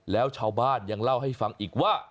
แล้วชาวบ้านยังเล่าให้ฟังอีกว่า